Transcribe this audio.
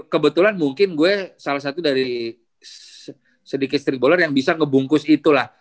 kebetulan mungkin gue salah satu dari sedikit streetballer yang bisa ngebungkus itulah